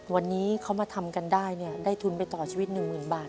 วันนี้เขามาทำกันได้เนี่ยได้ทุนไปต่อชีวิต๑๐๐๐บาท